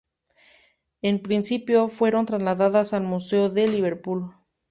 En principio, fueron trasladadas al Museo de Liverpool.